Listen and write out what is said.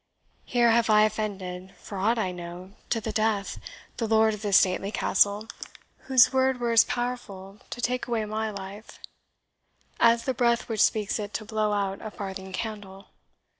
Here have I offended, for aught I know, to the death, the lord of this stately castle, whose word were as powerful to take away my life as the breath which speaks it to blow out a farthing candle.